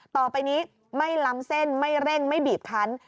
ต่อไปนี้ไม่ล้ำเส้นไม่เร่งไม่บีบคัน